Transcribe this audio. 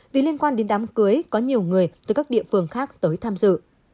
vì liên quan đến đám cưới có nhiều người từ các địa phương khác tới tham dự